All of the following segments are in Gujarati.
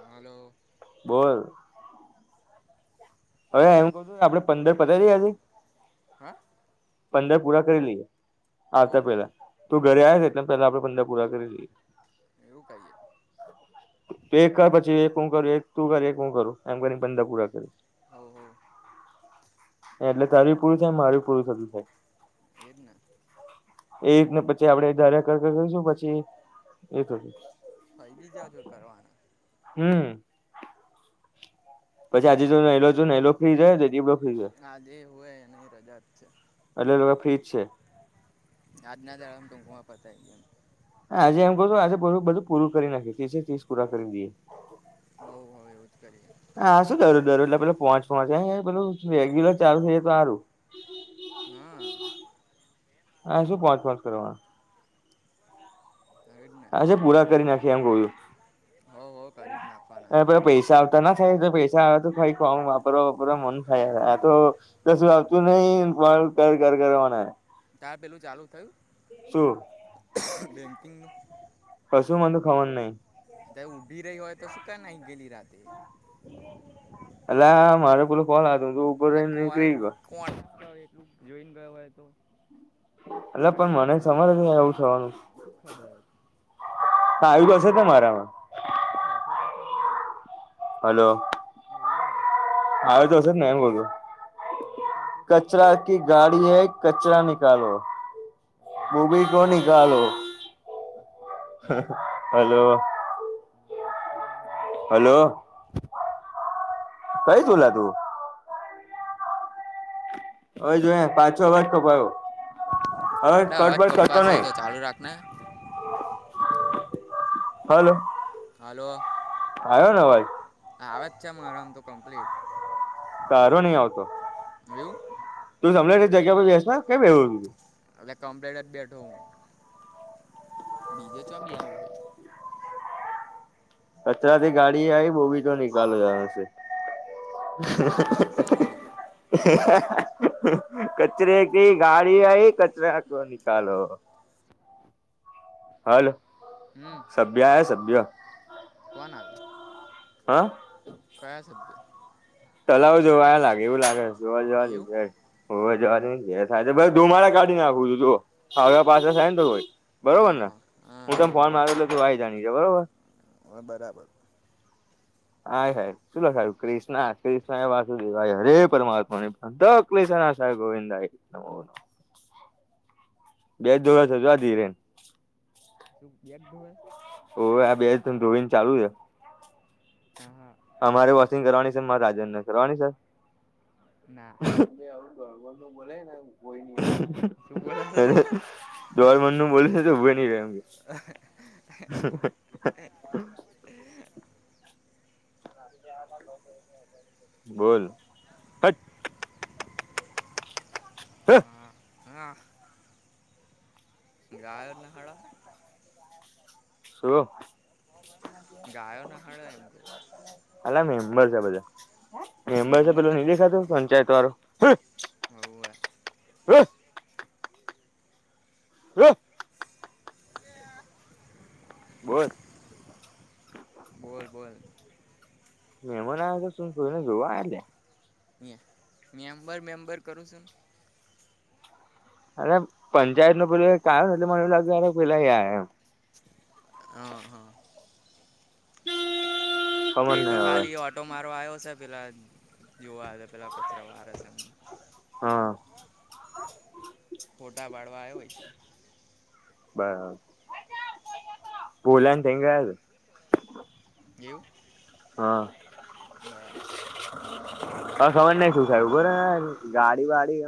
હાલો બોલ હવે બોલ એમ કઉ તું આપડે પંદર પતાજ હા પંદર પૂરા કરી લઈએ આવતા હોવ પેલા તો ઘરે આવે છે એટલેને પેલા આપણે પંદર પૂરા કરી લઈએ એવું કહીએ ત એક કર પછી એક હું કરું એક તું કર એક હું કરું એમ કરીને પંદા પૂરા કર હ હો એટલે તારી પૂરું થાય મારું પૂરું થતું થાય. એ જને. એ રીતને પછી આપડે ધરે કર કરશું પછી એ [unintelligible] ફાઈ જીજો કરવાના. હમ્મ [unintelligible] આજ હોય એની રજા જ છે. [unintelligible] આજના દાળ ટૂંકમાં પતાઇ [unintelligible] હા આજે એમ કહું આજે બધું પૂરું કરી નાખી ત્રી ત્રીસ પૂરા કરી દઈએ. હોવ હોવ એવું જ કરીએ. હા શું દરું દરું એટલે પે પહોંચ પહોચ પેલું રેગ્યુલર ચાલુ છે તો હારું. હાઆ. હા શું પાંચ પાંચ કરવાના. આવી જ ને અચ્છા પૂરા કરી નાખી એમ કવ હોવ હોવ કરી જ નાખવાના છું પૈસા ત થાય તો પૈસા આવે તો ખઈ વાપરો વાપર મન હા યાર હા આતો કશું આપતું નહી કર કર કરવાના તાર પેલું ચાલુ થયુ. શુ બેંકિંગનુ કસું મધું ખવાનુંહ ત ઉઊભી રહી હોય તસું ક નહી ગેલી રાતે. એલા મારે પોલો ફોલ આવ લુ એટ કો [unintelligible] એટલું જોઈને ગયો હોય તો એટ તા પણ કેટલા મને સમજ થયા છે, એવું થવાનુ. શું ખબર હતી [unintelligible] [unintelligible] હલો ને હોવે સ્વચ્છ ભારત કા ઇરાદા આવે તો હશે ને એમ બોલૂ સારું થશે જ ને કચરા ક ગાડી હૈ કચરા નિકાલો અચ્છા બોબી સ્વચ્છ કો ભારત સ્વચ્છ ભારત હલો. હલો [unintelligible] [unintelligible] હવે જો પાછો વષ તો પયો હવે કટ પર થતો નહી ના [unintelligible] હલો. હાલો આવ્યો ને અવાજ આવ વાત છે મારામાં તો કમ્પ્લીટ તારો નહી આવતો એ યુ તું સમને જગ્યા પર બેસ ને કે એવુ એટ કમ્પ્લેટ જ બેઠો હું બીજે ચ બેયા હાઈ. કચરા ગાડી આવી બો બી તો નીિકાલળ જશે. નાડશે તને [unintelligible] કચરે ક ગાડી આઈ કચરા કો નિકાલો હાલ સભ્ય એ સભ્ય કવાના હા કયા સભ્ય તલાવ જોવાયા લાગે એવું લાગે જોવા જોવાનું એવું હોવા જવાનુ એ થાય છે ભાઈ ધુમાડા કાઢીને નાખું છું તું ખાવ પાછ થાય ને તો કોઈ હા બરોબર ને હા હા હુ, તમ ફોનમાં આવેલો કેવાય જાણી છે બરોબર હા બરાબર હા, સાહે શુંલો સાહેબ ક્રષ્ ક્રષ્ણ વાસ હરે પરમાત્મા કષ્ ગોવિંદ બેજ જોડજ આ ધીરેન શું બે ધુંવે છે. ઓ આ બે જોઈન ચાલુ છે. હા હા અમારે વોશિંગ કરવાની છે મારે રાજાજન ને કરવાની છે. ના મેં અુ ગરબર નુ બોલે ને કોઈ શું બોલા છે નઈ જોર મન ન બોલ છે, તો ઉભો ન ર એ હ એક [unintelligible] બોલ. હટ હે હા હા. ગાય એટલે હાડા શું. ગાયો ના હળ્યો એમ કહું. અલા મેમ્બર છે બધા મેમ્બર છે મેમન પેલું નહી દેખાતું પંચાયત વાળું હું. હવવે. [unintelligible] હે. [unintelligible] બોલ બોલ. મહેમાન આ હતા શું કોઈને જોવા આય લે. મિયા મેમ્બર મેમ્બર કરું છું. અને પંચાયત નું પેલું કારણ એટલે મને એવ લાગે [unintelligible] પેલાયા એમ. હ હા. તે ખબર એ નઈ તો હવે ખાલી ઓટો મારો આવ્યો છે પેલા જોવા હશે પેલા કચરા વારે છે એમ. હા. ફોટા વાડવા આવ્યોય છે. બરાબ પૂલાને થંગ એવું [unintelligible] હ સમજ નહીં [unintelligible] ઊભરે ગાડી વાડી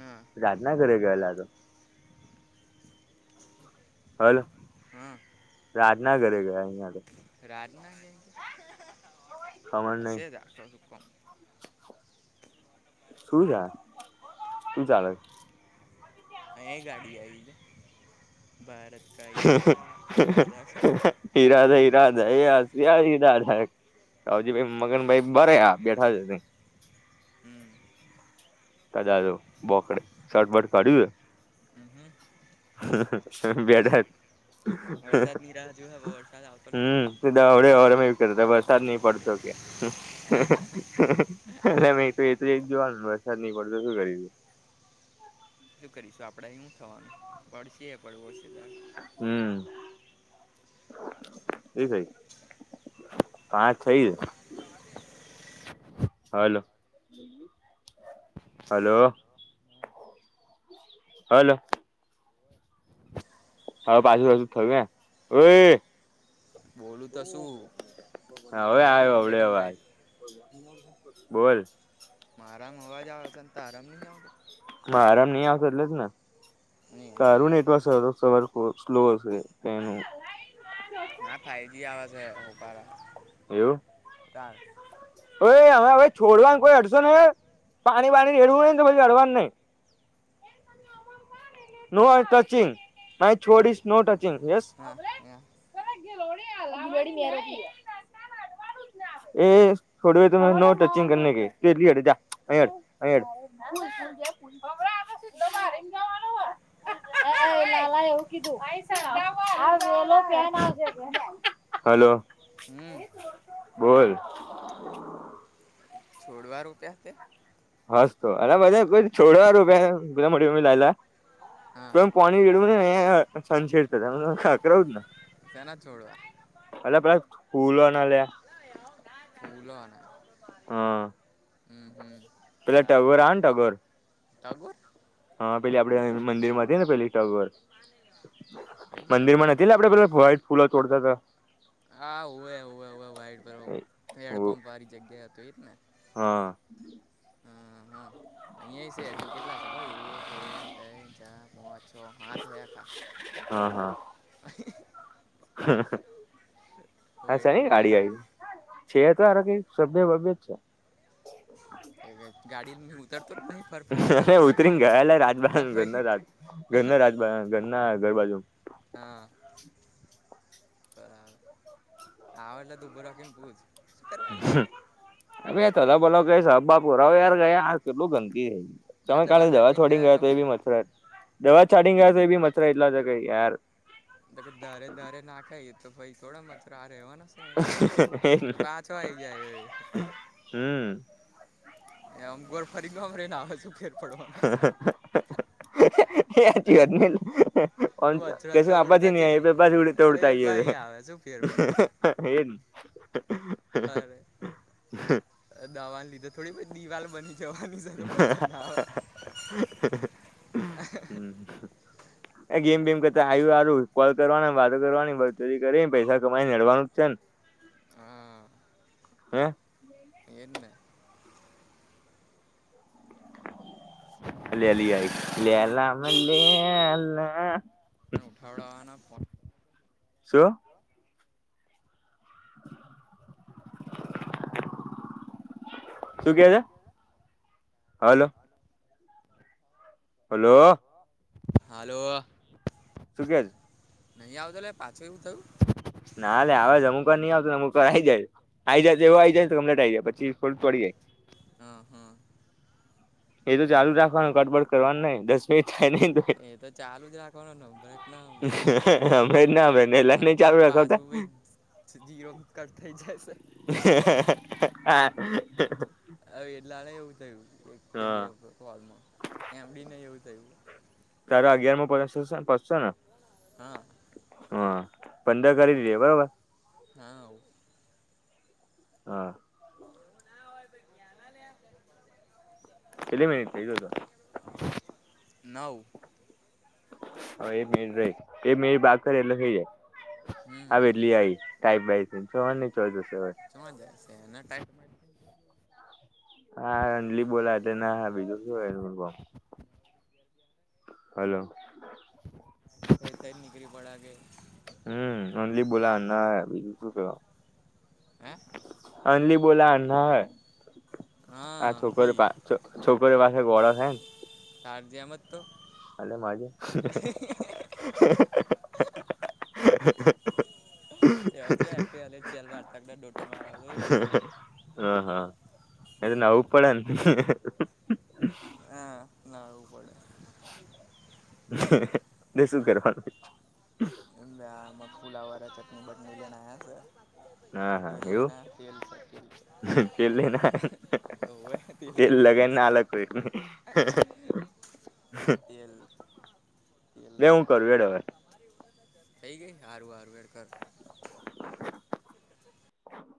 હા રાજ ના ઘરે ગયેલા [unintelligible] હલો હા રાજ ના ઘરે ગયા અહિયાં તો. રાજ ના ઘરે ખબર [unintelligible] નઈ હશેજ [unintelligible] શું છે શું ચાલે. હ ગાડી આઈધ ભારત કા ઈરાદા ઇરાદા ઇરાદા ઇરાદા એ આ [unintelligible] ઇરાદા. સાજી ભાઈ મગન ભાઈ બરે આ બેઠા જ તો. હમ્મ. કદા બોકડે શટબટ કર્યું. હમ હમ. [unintelligible] બેઠા. [unintelligible] વરસાદની રાહ જોવે હવે વરસાદ આવતો નથી હમ્મ સીધા આવડે આવડે ભાઈ સીધા વરસાદ નહી પડતો કે [unintelligible] એટલે મેં તો એ તો એક જ જોવાનું વરસાદ નહી પડતો શું કરીએ. શું કરીશું આપડે હું થવાનું પડશે પડવો છે તારે. હમ્મ. એ થઈ હા થઈ જ. હલો. Hello hello. હવે પાછુ પાછુ [unintelligible] ઓય બોલું તો શું હવે આવે મારામાં અવડે કમ્પ્લેટ અવાજ. સંભળાય બોલ. મારામાં અવાજ આવે છે અને તારામાં અવાજ નહી આવ તો. મારામાં નઈ આવતો એટલે જ ને. ની તારું નેટવર્ક સવાર સવાર સર સ્લો છે તેનું. ના ફાઈવ જી આવાજ હોપાર. એવું. કાર. ઓય અવે અવે છોડવા ન કોઈ અડશો નઈ એ. પાણી વાણીને રેડવું નઈ, તો પછી અડવાનું નઈ. નો ટચિંગ નઈ છોડીશ નો ટચિંગ યસ. એં [unintelligible] [inaudible] એએ થોડવે તો નો ટચિંગ કરને કી, ફીર ભી અડે જા અઈ અડ-અઈ અડ. ના હમણાં આવે. [inaudible] કોનુ એ? લાલા એ એવુ કીધું. આઈ સાબ, ક્યાં ઉઆ. બોલો પેન આવ હલો હમ બોલ. છોડવા રોપ્યા તે. હસ તો અને બધા કો છોડવા રોપે ગુળા મોટી મમ્મી લાયલા. હા તો એમ પોણી રેડવું ને અ છછેરતા રે તો ખખરાવુ જ ને. સેના છોડવા. અલા પેલા ફૂલોના લે. હા ફુલોના. પેલા ટગોર આવે ને ટગોર. ટગોર હા, પેલી આપડે મંદિરમાં હતી ને પેલી ટગર. કઈ મંદિર ટગોર માં નથી લા. આપડે પેલા વાઈટ ફૂલો તોડતા તા. હા હુવે હુવે હોવે વાઈટ પેલો ઓ હેડપંપ વાળી જગ્યા અતો એજ ને. હા અઈયાંય સે હજુ કેટલા સે ક એક, બે, તઈ, ચાર, પાચ, છ, હાથ હે આખા. હ હ. [unintelligible] [unintelligible] આ વાઈટ સેઈની ફૂલો હાડી આયી. છે તારો કઈ, સભ્ય વબ્ય જ છે. ગાડી ઉતરતો જ નહીં ફરફર જ રે કરે ઉતરીને ગાડીને ગયાલા રાજબ તો ભાઈ ગના રાજ ગના રાજ. બ ઘના ઘર બાજુ. હા આ આવે એટલે તુ ઉબ રાખીને પૂછ. શું કરવા એ લાગે અ ભય તલ બોલો કે સાપબાપ કરાવો યાર ગયા આ કેલું ગંદકી. આ તમે કાલે દવા નાખીને છોડી ગયા, તો ખબર એ બી મચરા. દવા છાડી ગયા, તો એ બી મચછરા એટલા જ કે યાર. તો કે ધારે ધારે નાખેય એ તો પઈ થોડા મછરા આ રેવાના. બાછો આવીઈ ગાય ઓય. હમ એમ ગુવરફળી [unintelligible] [unintelligible] હેચી વાત ને. [unintelligible] મચરા તો ઉડતા ચેટલી ઉડતા એ ભાઈ આવે ગીયા શું ફેર પડે સે. હ એન. અરે! દવાને લીધે થોડી કોઈ દિવાલ બની જવા તું ઝાય તો મચ્છર ન આવ. હમ. એ ગેમ બેેમ કરતા આવ્યું હારું. કોલ કરવાનું, વાતો કરવાની, બકચોદી કરીન, પૈસા કમાઈ નડવાનું જ છે ને. હા. હે! એને. લેલી આયી. લેલા મે લેલા આં. ઉઠાવડાવાના ફોન. શું? [inaudible] શું કે છે? હલો! હાલ [inaudible] હલો! હાલો! [unintelligible] શું કે છ? નહીં આવતો લ્યા. પાછું એવું થયું? ના અલ્યા આવે છે અમુક ની આવતો ને અમુક વાર આઈ જાય. આઈ જાય તો થયું એવો આઈ જાય કે કમ્લેટ આઈ જાય પછી ફુલ તોડી જાય હા હા. એ તો ચાલુ બરાબર રાખવાનું. કટ-બડ કરવાનું નહીં. દસ મિનિટ થાય નહી તો, એ તો ચાલુ જ રાખવાનો ને. બ્રેક ના સંભળાય હમણે જ ના કે પેલા નહી ન તો ચાલુ રખાવતા પાછું ભઈ. જીરોમા કટ થઈ જાસે. [unintelligible] [unintelligible] હવે એટલા માટે જ એવું થયું. એક કે બે હા કોલમાં. એમ ડી ને એવું થયુ તારા અગિયારમાં પડ્યા છસ્સો- બસ્સો ને? [unintelligible] હા. હા. પંદર કરી દિયે. બરાબર! હા. હા. એવું ના હોય ભઈ. કેડા લે! [unintelligible] કેટલી મિનિટ થઈ, જો તો. નવ. હવે એક મિનિટ રહી. એક મિનિટ બાકી રહી એટલે થઈ જાય. હમ આવે એટલી આઈ. ટાઈપ બાઈ તો થવાની જ છે, જશે હવે. ચ્યો જશે? એનો ટાઇમ [unintelligible] હા અંજલી બોલાવે તેના હારુ. જતો રેત ની તો. [unintelligible] હલો! [unintelligible] હમ અંજલી બોલાવે, ના આયે. બીજું શું કહ હે અંજલી બોલાવે. નહે હા ભી. છોકરો પાસે ગોળો હે તારી જેમ જ તો. [unintelligible] અલ્યા મારી જેમ! [unintelligible] [unintelligible] હ હ. એ ત નવું જ પડે ન! હા, નાવુ પડે. શું કરવાનું એમ લમાં ફૂલા વાળા ચટણી બટની જણાયા છે. [unintelligible] હા તું હા તલ એવું લેના તેલ ખલ તેલ લઈને [unintelligible] તોવે ત લ તેલ લગાવીને અલગ કરી ના [unintelligible] તેલ તલ હું લના કરું એખતે એડ હવે [unintelligible] થઈ ગઈ આરું આરું હેંડ કર [inaudible]